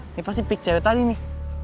ini pasti pik cewek tadi nih